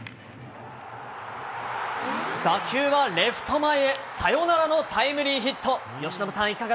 打球はレフト前へ、サヨナラのタイムリーヒット。